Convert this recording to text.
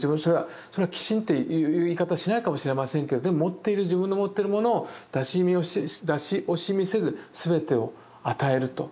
それは寄進っていう言い方をしないかもしれませんけどでも持っている自分の持っているものを出し惜しみせず全てを与えると。